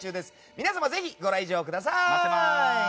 皆様ぜひ、ご来場ください。